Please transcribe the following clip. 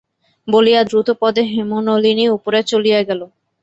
বলিয়া দ্রুতপদে হেমনলিনী উপরে চলিয়া গেল।